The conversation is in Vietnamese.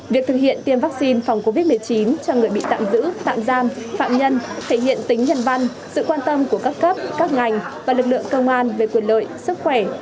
việc thực hiện tiêm vaccine phòng covid một mươi chín cho người bị tạm giữ tạm giam phạm nhân thể hiện tính nhân văn sự quan tâm của các cấp các ngành và lực lượng công an về quyền lợi sức khỏe